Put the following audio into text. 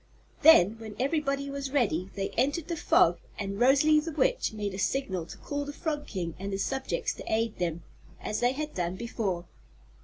Then, when everybody was ready, they entered the Fog and Rosalie the Witch made a signal to call the Frog King and his subjects to aid them, as they had done before.